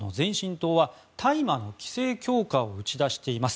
党は大麻の規制強化を打ち出しています。